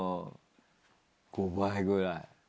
５倍ぐらい。